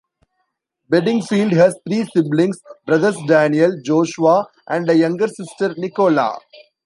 Bedingfield has three siblings: brothers Daniel, Joshua and a younger sister, Nikola.